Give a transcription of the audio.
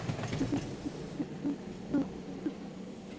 দেশের দু-একটি কোম্পানি ওষুধ তৈরি করলেও অধিকাংশ ওষুধ বিদেশ থেকেই আসে।